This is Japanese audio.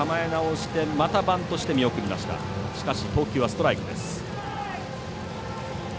しかし、投球はストライクです。